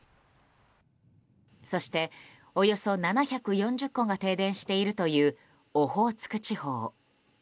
そして、およそ７４０戸が停電しているというオホーツク地方。